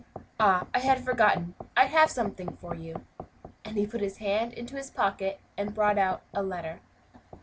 Ah! I had forgotten! I have something for you;" and he put his hand into his pocket and brought out a letter.